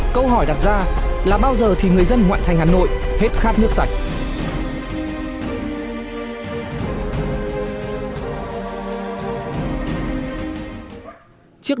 câu hỏi đặt ra là bao giờ thì người dân ngoại thành hà nội hết khát nước sạch